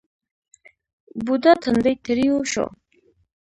بوډا تندی ترېو شو.